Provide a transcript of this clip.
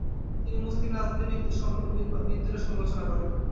তিনি মুসলিম রাজনীতিবিদদেরও সমালোচনা করেন।